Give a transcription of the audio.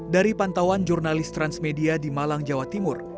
dari pantauan jurnalis transmedia di malang jawa timur